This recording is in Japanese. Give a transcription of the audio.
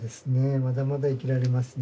まだまだ生きられますね。